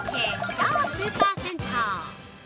超スーパー銭湯！